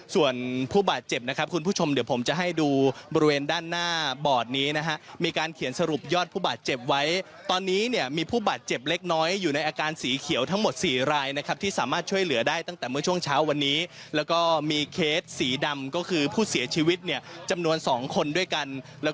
ส่วนผู้บาดเจ็บนะครับคุณผู้ชมเดี๋ยวผมจะให้ดูบริเวณด้านหน้าบอร์ดนี้นะฮะมีการเขียนสรุปยอดผู้บาดเจ็บไว้ตอนนี้เนี่ยมีผู้บาดเจ็บเล็กน้อยอยู่ในอาการสีเขียวทั้งหมด๔รายนะครับที่สามารถช่วยเหลือได้ตั้งแต่เมื่อช่วงเช้าวันนี้แล้วก็มีเคสสีดำก็คือผู้เสียชีวิตเนี่ยจำนวน๒คนด้วยกันแล้วก็